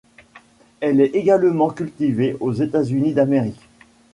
Elle est également cultivée aux États-Unis d'Amérique.